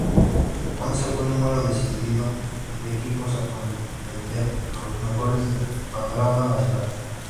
Once fue el número decidido de equipos a contender, los mejores del panorama nacional.